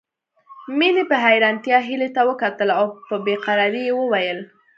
مينې په حيرانتيا هيلې ته وکتل او په بې قرارۍ يې وويل